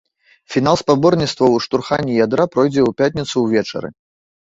Фінал спаборніцтваў у штурханні ядра пройдзе ў пятніцу ўвечары.